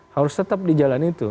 harus tetap di jalan itu